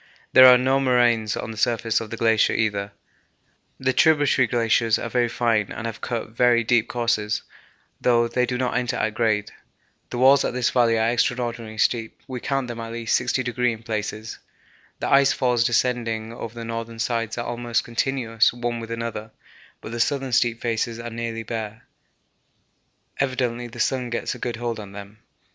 There are no moraines on the surface of the glacier either. The tributary glaciers are very fine and have cut very deep courses, though they do not enter at grade. The walls of this valley are extraordinarily steep; we count them at least 60° in places. The ice falls descending over the northern sides are almost continuous one with another, but the southern steep faces are nearly bare; evidently the sun gets a good hold on them.